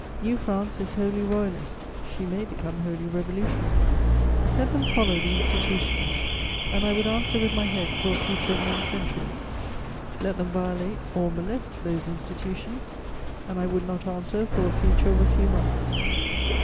"New France is wholly Royalist; she may become wholly Revolutionary: let them follow the institutions, and I would answer with my head for a future of many centuries; let them violate or molest those institutions, and I would not answer for a future of a few months.